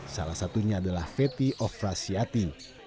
salah satunya adalah fethi ofrasiati